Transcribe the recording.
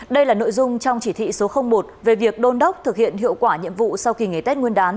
đây là nội dung trong chỉ thị số một về việc đôn đốc thực hiện hiệu quả nhiệm vụ sau kỳ nghỉ tết nguyên đán